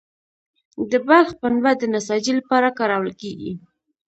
د بلخ پنبه د نساجي لپاره کارول کیږي